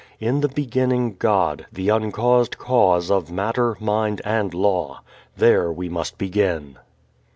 In the beginning God, the uncaused Cause of matter, mind and law. There we must begin.